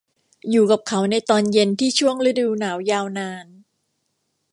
อยู่กับเขาในตอนเย็นที่ช่วงฤดูหนาวยาวนาน